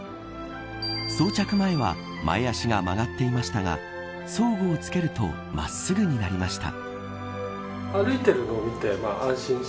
装着前は前足が曲がっていましたが装具を着けると真っすぐになりました。